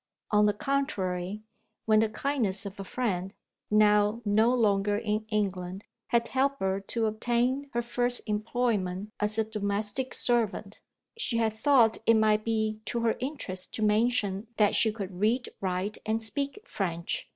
On the contrary, when the kindness of a friend (now no longer in England) had helped her to obtain her first employment as a domestic servant, she had thought it might be to her interest to mention that she could read, write, and speak French.